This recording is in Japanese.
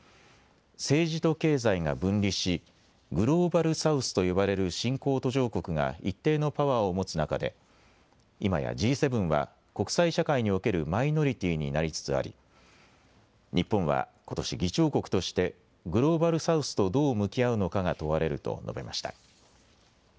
政治と経済が分離しグローバル・サウスと呼ばれる新興途上国が一定のパワーを持つ中で今やＧ７は国際社会におけるマイノリティーになりつつあり日本はことし議長国としてグローバル・サウスとどう向き合うのかが問われると述べました。